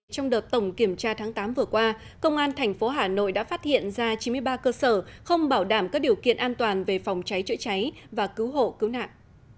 trong đợt tổng kiểm tra tháng tám vừa qua công an thành phố hà nội đã phát hiện ra chín mươi ba cơ sở không bảo đảm các điều kiện an toàn về phòng cháy chữa cháy và cứu hộ cứu nạn